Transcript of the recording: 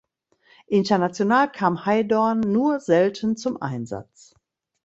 International kam Heidorn nur selten zum Einsatz.